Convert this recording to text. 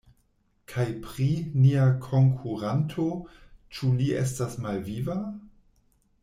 Kaj pri nia konkuranto, ĉu li estas malviva?